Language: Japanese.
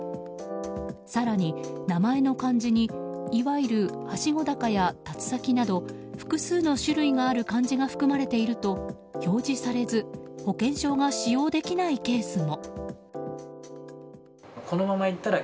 更に、名前の漢字にいわゆるはしごだかやたつさきなど複数の種類がある漢字が含まれていると表示されず保険証が使用できないケースも。